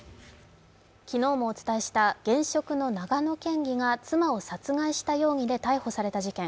昨日もお伝えした現職の長野県議が妻を殺害した容疑で逮捕された事件。